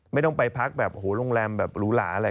ไม่ต้องไปพักแบบโอ้โหโรงแรมแบบหรูหลาอะไร